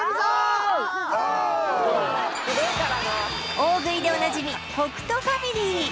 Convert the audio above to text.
大食いでおなじみ北斗ファミリー